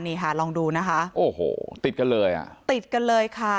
นี่ค่ะลองดูนะคะโอ้โหติดกันเลยอ่ะติดกันเลยค่ะ